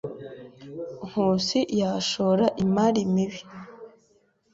Nkusi yashora imari mibi.